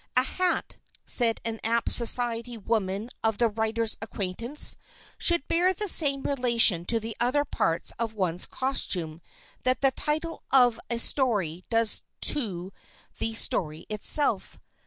"A hat," said an apt society woman of the writer's acquaintance, "should bear the same relation to other parts of one's costume that the title of a story does to the story itself.